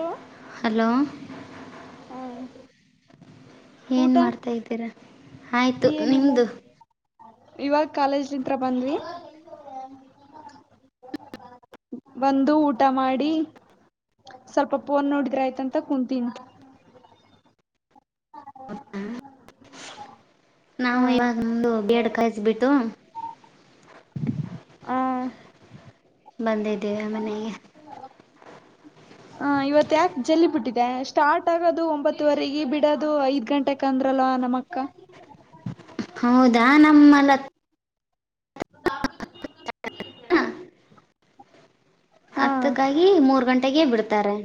ಹ ಹಲೋ ಹ್ಮ್ ಏನ್ ಊಟ ಮಾಡ್ತಾ ಇದ್ದೀರಾ ಆಯ್ತು ಏನಿಲ್ಲ ನಿಮ್ದು ಇವಾಗ ಕಾಲೇಜ್ ಇಂದ ಬಂದ್ವಿ [unintelligible] ಬಂದು ಊಟ ಮಾಡಿ ಸ್ವಲ್ಪ ಫೋನ್ ನೋಡಿದ್ರ ಆಯ್ತಂತ ಕುೂಂತೀನಿ [unintelligible] ನಾವು ಆ ಇವಾಗಮ್ದ ಬೇಡ ಕಾಯಸಬಿಟ್ಟು ಹ್ಮ ಬಂದಿದ್ದೀವಿ ಮನೆಗೆ ಹ ಇವತ್ ಯಾಕೆ ಜಲ್ದಿ ಬಿಟ್ಟಿತು ಸ್ಟಾರ್ಟ್ ಆಗೋದು ಒಂಬತ್ತವರೆಗ ಬಿಡೋದು ಐದ್ ಗಂಟೆಕ್ ಅಂದ್ರಲ್ವಾ ನಮ್ಮ ಅಕ್ಕ ಹೌದಾ ನಮ್ಮಲ ಹಾ ಹತ್ತಕ್ಕಾಗಿ ಮೂರ್ ಗಂಟೆಗೆ ಬಿಡ್ತಾರೆ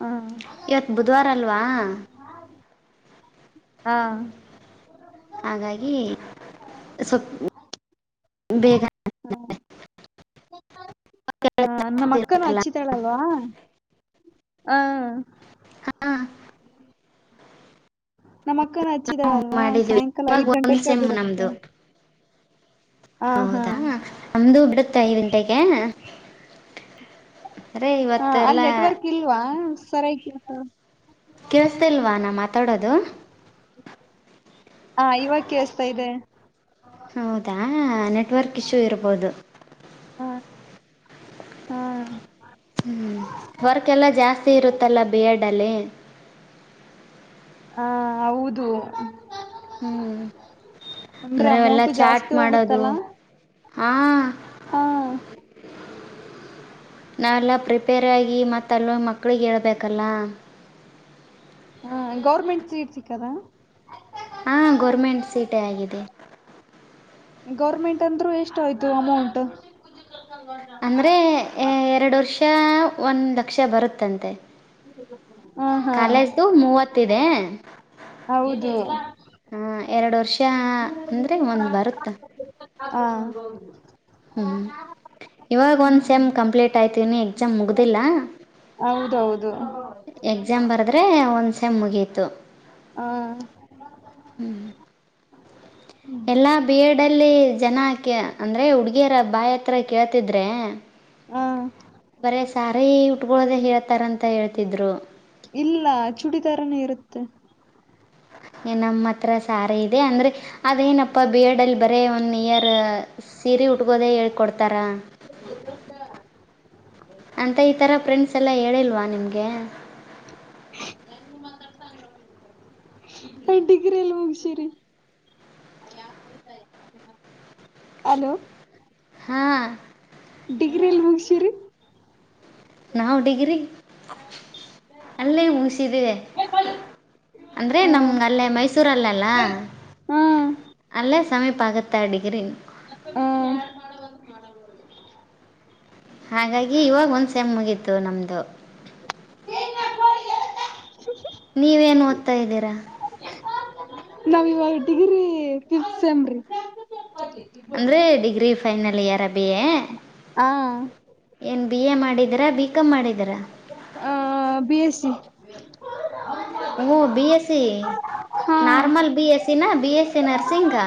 ಹಾ ಇವತ್ ಬುಧವಾರ ಅಲ್ವಾ ಹಾ ಹಾಗಾಗಿ ಸ್ವಲ್ಪ್ ಬೇಗ [unintelligible] ಹ ನಮ್ಮ ಅಕ್ಕನು ಇರುತ್ತಲ್ಲ ಹಚ್ಚಿತಾಳಲ್ವಾ ಹ ನಾವು ನಮ್ಮ ಅಕ್ಕನ ಹಚ್ಚಿದಾಳಲ್ವಾ ಮಾಡಿದ್ವಿ ಸಾಯಂಕಾಲ ಇವಾಗ ಐದ್ ಒಂದ್ ಗಂಟೆಕ್ಕೆ ಸೆಮ್ ಬಿಡುತ್ತೆ ನಮ್ದು ಹ ಹಾ ಹೌದಾ ನಮ್ದು ಬಿಡು ತೇ ಐದು ಗಂಟೆಗೆ ಹಾ ಅಲ್ಲಿ ಇವತ್ತೆಲ್ಲಾ ನೆಟ್ವರ್ಕ್ ಇಲ್ವಾ ಸರಯತ ಕೆಳಸ್ತ ಇಲ್ವಾ ನಾ ಮಾತಾಡೋದು ಹಾ ಇವಾಗ ಕೇಳಿಸ್ತಾ ಇದೆ ಹೌದಾ ನೆಟ್ವರ್ಕ್ ಇಶ್ಯೂ ಇರ್ಬೋದು ಹ್ಮ್ ಹ್ಮ್ ಹ್ಮ್ ವರ್ಕ್ ಎಲ್ಲಾ ಜಾಸ್ತಿ ಇರುತ್ತಲ್ಲ ಬಿಎಡ್ ಅಲ್ಲಿ ಹಾ ಹೌದು ಹ್ಮ್ ಅಂದ್ರೆ ಅವ ಎಲ್ಲಾ ಅಮೌಂಟ್ ಚಾಟ್ ಜಾಸ್ತಿ ಮಾಡೋದು ಹೋಗುತ್ತಲ್ಲ ಹಾ ಹಾ ನಾವೆಲ್ಲ ಪ್ರಿಪೇರ್ ಆಗಿ ಮತ್ತ ಅಲ್ಲಿ ಹೋಗಿ ಮಕ್ಳಿಗೆ ಹೇಳ್ಬೇಕಲ್ಲ ಹಾ ಗೌರ್ಮೆಂಟ್ ಸೀಟ್ ಸಿಕ್ಕದಾ ಹಾ ಗೌರ್ಮೆಂಟ್ ಸೀಟೇ ಆಗಿದೆ ಗೌರ್ಮೆಂಟ್ ಅಂದ್ರೂ ಎಷ್ಟ ಆಯ್ತು ಅಮೌಂಟ್ ಅಂದ್ರೆ ಎರಡು ವರ್ಷ ಒಂದ್ ಲಕ್ಷ ಬರುತ್ತಂತೆ ಹ ಹಾ ಕಾಲೇಜ್ದು ಮೂವತ್ತಿದೆ ಹೌದು ಹ ಎರಡು ವರ್ಷ ಅಂದ್ರೆ ಒಂದ್ ಬರುತ್ತ ಹಾ ಹ್ಮ್ ಇವಾಗ ಒಂದ್ ಸೆಮ್ ಕಂಪ್ಲೀಟ್ ಆಯ್ತು ಇನ್ನೂ ಎಕ್ಸಾಮ್ ಮುಗ್ದಿಲ್ಲ ಹೌದೌದು ಎಕ್ಸಾಮ್ ಬರ್ದ್ರೆ ಒಂದ ಸೇಮ್ ಮುಗೀತು ಹಾ ಎಲ್ಲಾ ಬಿಎಡ್ ಅಲ್ಲಿ ಜನ ಅಂದ್ರೆ ಹುಡ್ಗಿಯರ ಬಾಯ ಹತ್ರ ಕೇಳ್ತಿದ್ರೆ ಹ ಬರೇ ಸಾರಿ ಉಟ್ಕೊಳೋದ ಹಳ್ತಾರ ಅಂತ ಹೇಳ್ತಿದ್ರು ಇಲ್ಲ ಚೂಡಿದಾರನು ಇರುತ್ತೆ ನಮ್ಮ ಹತ್ರ ಸಾರಿ ಇದೆ ಅಂದ್ರೆ ಅದೇನಪ್ಪಾ ಬಿಎಡ್ ಅಲ್ಲಿ ಬರೇ ಒಂದ ಒನ್ ಇಯರ್ ಸೀರೆ ಉಟ್ಕೋದೇ ಹೇಳ್ಕೊಡ್ತಾರಾ ಅಂತ ಈತರ ಫ್ರೆಂಡ್ಸ್ ಎಲ್ಲ ಹೇಳಿಲ್ವಾ ನಿಮ್ಗೆ ಡಿಗ್ರಿ ಎಲ್ಲಿ ಹೋಗಸಿರಿ ಹಲೋ ಹಾ ಡಿಗ್ರಿ ಎಲ್ಲಿ ಮುಗ್ಸಿರಿ ನಾವು ಡಿಗ್ರಿ ಅಲ್ಲೇ ಸಿದೇವೆ ಅಂದ್ರೆ ಹ ನಮಗೆ ಅಲ್ಲೇ ಮೈಸೂರಲ್ಲ ಅಲ್ಲ ಹಾ ಅಲ್ಲೇ ಸಮಯಪಾಗುತ್ತ ಡಿಗ್ರಿ ಹ ಹಾಗಾಗಿ ಇವಾಗ ಒಂದ್ ಸಮ್ ಮುಗೀತು ನಮ್ದು ನೀವೇನ್ ಓದ್ತಾ ಇದ್ದೀರಾ ನಾವ ಇವಾಗ ಡಿಗ್ರಿ ಫಿಫತ್ ಸೆಮ್ರಿ ಅಂದ್ರೆ degree final year B A ಹಾ ಏನ್ ಬಿ ಎ ಮಾಡಿ ಇದರ ಬಿ ಕಾಮ್ ಮಾಡಿದ್ದೀರಾ ಆ B S C B S C ಹಾ ನಾರ್ಮಲ್ ಬಿಎಸ್ ಸಿ ನ ಬಿ ಎಸ್ ಸಿ ನರ್ಸಿಂಗ್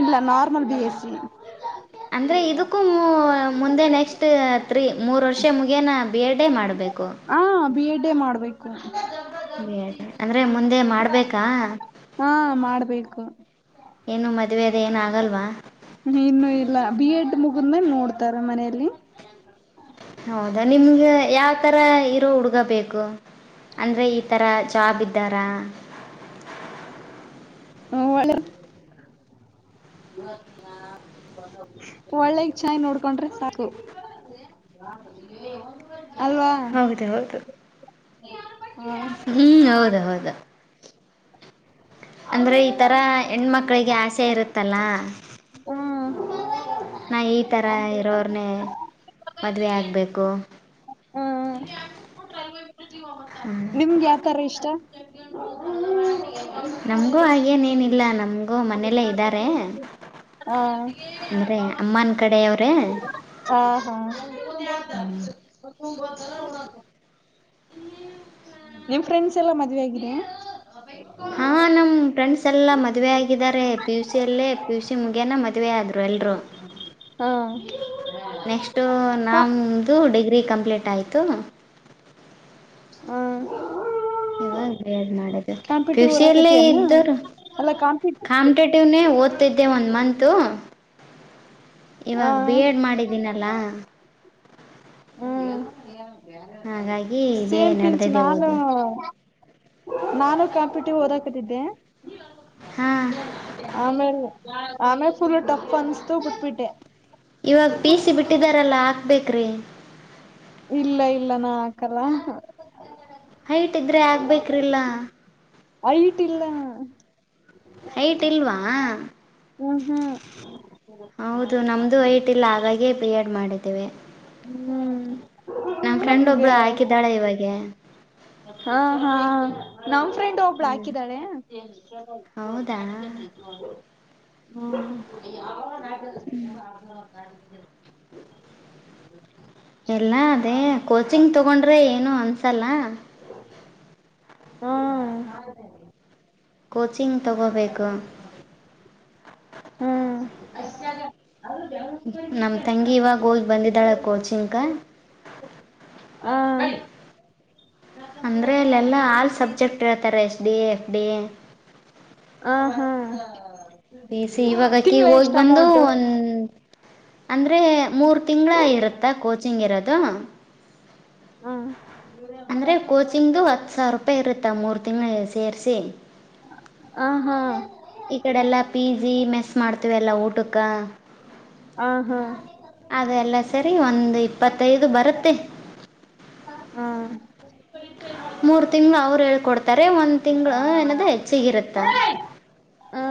ಇಲ್ಲ ನಾರ್ಮಲ್ ಬಿ ಎಸಿ ಅಂದ್ರೆ ಇದಕ್ಕೂ ಮುಂದೆ ನೆಕ್ಸ್ಟ್ ತ್ರೀ ಮೂರು ವರ್ಷ ಮುಗಿಯನ ಬಿ ಎಡ್ ಮಾಡ್ಬೇಕು ಹಾ ಬಿ ಎಡ್ ಎ ಮಾಡಬೇಕು ಬೇಡ ಅಂದ್ರೆ ಮುಂದೆ ಮಾಡ್ಬೇಕಾ ಹಾ ಮಾಡ್ಬೇಕು ಏನು ಮದ್ವೆದ ಏನು ಆಗಲ್ವಾ ಇನ್ನುೂ ಇಲ್ಲ ಬಿ ಎಡ್ ಮುಗಿದನೇ ನೋಡ್ತಾರೆ ಮನೆಯಲ್ಲಿ ಹೌದಾ ನಿಮ್ಗ ಯಾವ ತರ ಇರೋ ಹುಡುಗ ಬೇಕು ಅಂದ್ರೆ ಈ ತರ ಜಾಬ್ ಇದ್ದಾರಾ ಹ್ಮ ಒಳ್ಳೆ ಒಳ್ಳೆಗ್ ಚೆನ್ನಾಗಿ ನೋಡ್ಕೊಂಡ್ರೆ ಸಾಕು ಹೌದ ಹೌದು ಹ್ಮ ಹ್ಮ್ ಹೌದಾ ಹೌದಾ ಅಂದ್ರೆ ಈಥರ ಹೆಣ್ಮಕ್ಳಿಗೆ ಆಸೆ ಇರುತ್ತಲ್ಲ ಹ್ಮ ನಾ ಈಥರ ಇರೋರನ್ನೇ ಮದುವೆ ಆಗ್ಬೇಕು ಹ್ಮ ನಿಮ್ಗೆ ಯಾವತರ ಇಷ್ಟ ನಮ್ಗೂ ಹಾಗೇನ್ ಏನಿಲ್ಲ ನಮ್ಗೂ ಮನೆಯಲ್ಲ ಇದ್ದಾರೆ ಹಾ ಅಂದ್ರೆ ಅಮ್ಮನ್ ಕಡೆ ಅವ್ರೆ ಹಾ ಹಾ ನಿಮ್ ಫ್ರೆಂಡ್ಸ್ ಎಲ್ಲಾ ಮದ್ವೆ ಆಗಿದೆ ಹಾ ನಮ್ ಫ್ರೆಂಡ್ಸ್ ಎಲ್ಲ ಮದುವೆ ಆಗಿದ್ದಾರೆ ಪಿ ಯು ಸಿ ಅಲ್ಲೇ ಪಿ ಯು ಸಿ ಮುಗಿಯನ ಮದುವೆ ಆದ್ರು ಎಲ್ರುೂ ಹಾ ನೆಕ್ಸ್ಟ್ ಹಾ ನಮ್ದು ಡಿಗ್ರಿ ರೀಕಂಪ್ಲೇಂಟ್ ಆಯಿತು ಹ್ಮ ಇವಾಗ ಬೇಡ್ ಮಾಡದು ಕಾಂಪಿಟಿವ್ ಪ್ಯುಸಿಯಲ್ಲಿ ಓದಕತಿಯನ್ನ ಇದ್ದರು ಅಲ್ಲ ಕಾಂಪಿಟ್ ಕಾಂಪಿಟೇಟಿವ್ನೆೇ ಓದ್ತಿದ್ದೆ ಒಂದ್ ಮತ್ ಹ್ಮ್ ಮಾಡಿದ್ದೀನಲ್ಲ ಹ್ಮ್ ಹಾಗಾಗಿ ಇದೇ ಸೇಮಪಚ ನಡೆದಿದೆ ನಾನು ಓದು ನಾನು ಕಾಂಪಿಟಿವ್ ಓದಾಕತಿದ್ದೆ ಹಾಂ ಆಮೇಲೆ ಆಮೇ ಫುಲ್ ಟಪ್ಪು ಅನ್ಸ್ತು ಬಿಟ್ಬಿಟ್ಟೆ ಇವಾಗ ಪೀಸ ಬಿಟ್ಟಿದಾರಲ್ಲ ಹಾಕ್ಬೇಕ್ರಿ ಇಲ್ಲ ಇಲ್ಲ ನಾ ಹಾಕಲ್ಲ ಹೈಟ್ ಇದ್ದರೆ ಹಾಕ್ಬೇಕ್ರಿಲ್ಲ ಆಐಟ್ ಇಲ್ಲ ಹೈಟ್ ಇಲ್ವಾ ಹ್ಮ್ ಹ್ಮ್ ಹೌದು ನಮ್ದು ವೈಟ್ ಇಲ್ಲ ಹಾಗಾಗೇ ಬಿ ಎಡ್ ಮಾಡಿದ್ದೇವೆ ಹ್ಮ್ ನಮ ಫ್ರೆಂಡ್ ನಮ್ಗ ಒಬ್ಳು ಹಾಕಿದ್ದಾಳೆ ಇವಾಗೆ ಹಾ ಹಾ ನಾವು್ ಫ್ರೆಂಡ ಒಬ್ಳು ಹ್ಞೂ ಹಾಕಿದಾಳೆ ಹೌದಾ ಹ್ಮ್ [unintelligible] ಎಲ್ಲ ಅದೇ ಕೋಚಿಂಗ್ ತಗೊಂಡ್ರೆ ಏನು ಅನ್ಸಲ್ಲ ಹ್ಮ್ ಕೋಚಿಂಗ್ ತೊಗೋಬೇಕು ಹ್ಮ್ ನಮ್ಮ ತಂಗಿ ಇವಾಗ ಹೋಗ್ ಬಂದಿದ್ದಾಳ ಕೋಚಿಂಗ ಹ್ಮ ಅಂದ್ರೆ ಇಲ್ಲೆಲ್ಲಾ ಆಲ್ ಸಬ್ಜೆಕ್ಟ್ ಹೇಳತ್ತಾರೆ H D A F D A ಹ ಹಾ ಇವಾಗಕಿ ತಿಂಗಳ ಹೋಗಿ ಎಷ್ಟು ಬಂದು ಅಮೌಂಟ್ ಒಂದು ಅಂದರೆ ಮೂರು ತಿಂಗಳ ಇರುತ್ತಾ ಕೋಚಿಂಗ್ ಇರೋದು ಹ್ಮ್ ಅಂದ್ರೆ ಕೋಚಿಂಗ್ದು ಹತ್ತ್ ಸಾವಿರ ರೂಪಾಯಿ ಇರುತ್ತಾ ಮೂರ್ ತಿಂಗಳ ಸೇರಸಿ ಆಾ ಹಾ ಈ ಕಡೆಲ್ಲಾ ಪಿ ಜಿ ಮೆಸ್ ಮಾಡ್ತೀವಿ ಎಲ್ಲಾ ಊಟಕ್ಕ ಹ ಅದೆಲ್ಲ ಸರಿ ಒಂದ ಇಪ್ಪತ್ತೈದು ಬರುತ್ತೆ ಹ್ಮ್ ಮೂರ್ ತಿಂಗಳು ಅವ್ರು ಹೇಳ್ಕೊಡ್ತಾರೆ ಒಂದ್ ತಿಂಗಳು ಏನದ ಹೆಚ್ಚಿಗ ಇರತ್ತ ಹ್ಮ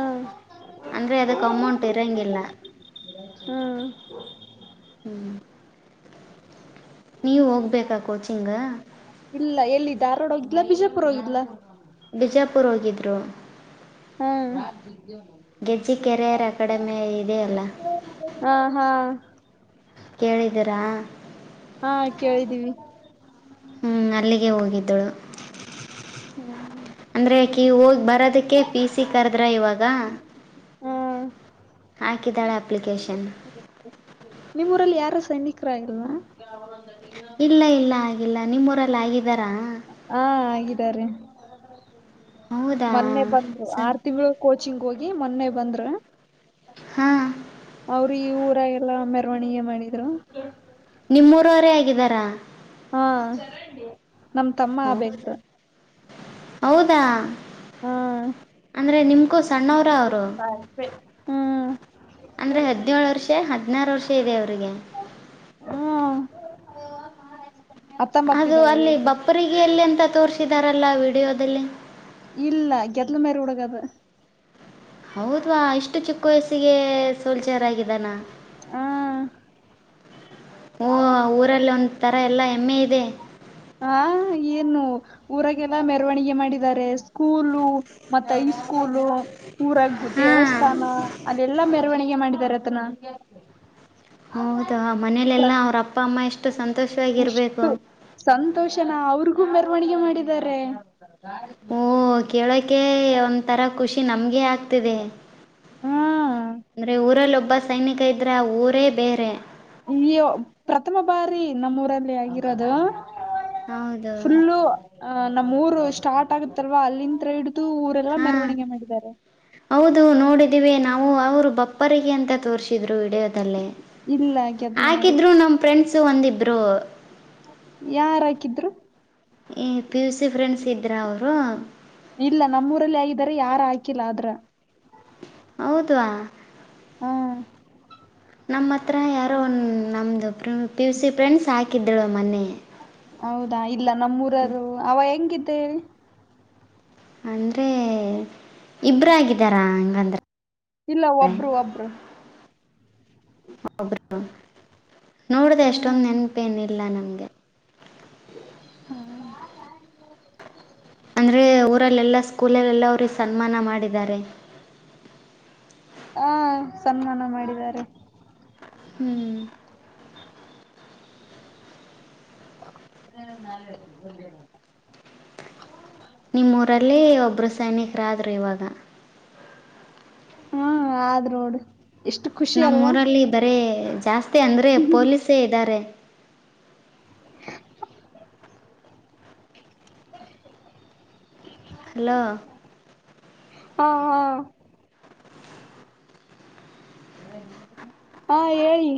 ಅಂದ್ರೆ ಅದಕ್ಕೆ ಅಮೌಂಟ್ ಇರೋಂಗಿಲ್ಲ ಹ್ಮ್ ಹ್ಮ್ ನೀವ್ ಹೋಗ್ಬೇಕಾ ಕೋಚಿಂಗ್ ಇಲ್ಲ ಎಲ್ಲಿ ಧಾರವಾಡ ಹೋಗಿದ್ಲಾ ಬಿಜಾಪುರ ಹೋಗಿದ್ಲಾ ಬಿಜಾಪುರ ಹೋಗಿದ್ದ್ರು ಹ್ಮ್ ಗೆಜ್ಜಿ ಕೆರಿಯರ್ ಅಕಾಡೆಮಿ ಇದೆ ಅಲ್ಲ ಹ ಹಾ ಕೇಳಿದರಾ ಹಾ ಕೇಳಿದ್ದೀವಿ ಹ್ಮ್ ಅಲ್ಲಿಗೆ ಹೋಗಿದ್ದಳು ಅಂದ್ರೆಕೀ ಹೋಗಿ ಬರೋದಕ್ಕೆ ಪೀಸಿ ಕರೆದ್ರ ಇವಾಗ ಹೂ ಹಾಕಿದ್ದಾಳೆ ಅಪ್ಲಿಕೇಶನ್ ಸೈನಿಕ್ರಾ ಆಗಿಲ್ಲಾವ ಇಲ್ಲ ಇಲ್ಲ ಆಗಿಲ್ಲ ನಿಮ್ಮೂರೆಲ್ಲ ಆಗಿದ್ದಾರಾ ಹಾ ಆಗಿದ್ದಾರೆ ಹೌದಾ ಮೊನ್ನೆ ಬಂದ್ರು ಸರಿ ಆರು ತಿಂಗಳು ಕೋಚ್ ಕೋಚಿಂಗ್ ಹೋಗಿ ಮೊನ್ನೆ ಬಂದ್ರೆ ಹಾ ಅವರು ಈ ಊರ ಎಲ್ಲಾ ಮೆರವಣಿಗೆ ಮಾಡಿದ್ರು ನಿಮ್ಮೂರವರೇ ಆಗಿದ್ದಾರಾ ಹಾ ನಮ್ಮ್ ತಮ್ಮ ಆಬೇಕು ಹೌದಾ ಹೌದಾ ಅಂದ್ರೆ ನಿಮ್ಕೂ ಸಣ್ಣವ್ರ ಅವ್ರು ಹ್ಮ್ ಅಂದ್ರೆ ಹದ್ನೇಳು ವರ್ಷ ಹದ್ನಾರು ವರ್ಷ ಇದೆ ಅವ್ರಿಗೆ ಹ್ಮ್ ಹತ್ತೊಂಬತ್ತ ಅದು ಇದಾವೆ ಅಲ್ಲಿ ಏಜ್ ಬಪ್ಪರಿಗೆಯಲ್ಲಿ ಅಂತ ತೋರ್ಸಿದಾರಲ್ಲ ವಿಡಿಯೋದಲ್ಲಿ ಇಲ್ಲ ಗೇದ್ಲಮೇರಿ ಹುಡುಗಾದು ಹೌದ್ವಾ ಇಷ್ಟು ಚಿಕ್ಕ ವಯಸ್ಸಿಗೆ ಸೋಲ್ಜರಾಗಿದಾನ ಹೂಂ ಓ ಊರಲ್ಲಿ ಒಂಥರ ಎಲ್ಲ ಹೆಮ್ಮೆ ಇದೆ ಹಾ ಏನು ಊರಾಗೆಲ್ಲ ಮೆರವಣಿಗೆ ಮಾಡಿದ್ದಾರೆ ಸ್ಕೂಲು ಮತ್ತೈಸ್ಕೂಲು ಊರ ಗುದ್ ಹಾ ದೇವಸ್ಥಾನ ಅಲ್ಲೆಲ್ಲಾ ಮೆರವಣಿಗೆ ಮಾಡಿದಿದ್ದಾರೆ ಆತನ ಹೌದಾ ಮನೇಲೆೆಲ್ಲಾ ಅವ್ರ ಅಪ್ಪ ಅಮ್ಮ ಎಷ್ಟು ಸಂತ್ ಇಷ್ಟು ಸಂತೋಷನ ಅವ್ರಿಗೂ ಮೆರವಣಿಗೆ ಮಾಡಿದಾರೆ ಓ ಕೇಳೋಕೆ ಒಂದ ತರ ಖುಷಿ ನಮ್ಗೆ ಆಕ್ ತಿವಿ ಹಾ ಅಂದ್ರೆ ಊರಲ್ಲಿ ಒಬ್ಬ ಸೈನಿಕ ಇದ್ರೆ ಆ ಊರೇ ಬೇರೆ ಈ ಪ್ರಥಮ ಬಾರಿ ನಮ್ಮೂರಲ್ಲಿ ಆಗಿರೋದು ಹೌದು ನಮ್ಮೂರು ಸ್ಟಾರ್ಟ್ ಆಗುತ್ತಲ್ವಾ ಅಲ್ಲಿಂತ್ರ ಹಿಡಿದು ಊರೆಲ್ಲ ಹಾ ಮೆರವಣಿಗೆ ಮಾಡಿದ್ದಾರೆ ಹೌದು ನೋಡಿದೀವಿ ನಾವು ಅವರು ಬಪ್ಪರಿಗೆ ಅಂತ ತೋರ್ರಿಸಿದ್ರು ವಿಡಿಯೋದಲ್ಲಿ ಇಲ್ಲ ಗೆದ್ಲು ಮರಿ ಹಾಕಿದ್ರು ನಮ್ ಫ್ರೆಂಡ್ಸು ಒಂದಿಬ್ರು. ಯಾರಾಕಿದ್ರು ಈ ಪಿ ಯು ಸಿ ಫ್ರೆಂಡ್ಸ್ ಇದ್ರಾ ಅವ್ರು ಇಲ್ಲ ನಮ್ಮೂರಲ್ಲಿ ಆಗಿದಾರೆ ಯಾರ ಹಾಕಿಲ್ಲ ಆದ್ರ ಹೌದ್ವಾ ಹಾ ನಮ್ಮ ಹತ್ರ ಯಾರೋ ಒನ್ ನಮ್ದು ಪಿ ಯು ಸಿ ಫ್ರೆಂಡ್ಸ್ ಹಾಕಿದ್ಳು ಮನ್ನೆೆ ಹೌದಾ ಇಲ್ಲ ನಮ್ಮೂರರು ಅವ ಹೆಂಗಿದ್ದ ಹೇಳಿ ಅಂದ್ರೆ ಇಬ್ರಾಗಿದ್ದಾರ ಹಂಗಂದ್ರ್ ಇಲ್ಲ ಒಬ್ರು ಒಬ್ರು ಒಬ್ರು ನೋಡ್ದೆ ಅಷ್ಟೊಂದ್ ಹ್ಮ್ ನೆನ್ಪೇನ್ ಇಲ್ಲ ನಮ್ ಹ್ಮ್ ಅಂದ್ರೆ ಊರಲ್ಲೆಲ್ಲಾ ಸ್ಕೂಲಲ್ಲೆಲ್ಲ ಅವರು ಸನ್ಮಾನ ಮಾಡಿದ್ದಾರೆ ಹಾ ಸನ್ಮಾನ ಮಾಡಿದ್ದಾರೆ ಹ್ಮ್ [unintelligible] ನಿಮ್ಮೂರಲ್ಲಿ ಒಬ್ರು ಸೈನಿಕರಾದ್ರು ಇವಾಗ ಹಾ ಆದ್ರ ನೋಡ್ರಿ ನಮ್ಮೂರಲ್ಲಿ ಬರೆ ಜಾಸ್ತಿ ಅಂದ್ರೆ ಪೊಲೀಸೇ ಇದಾರೆ ಹಲೋ ಹಾ ಹಾ ಹಾ ಹೇಳಿ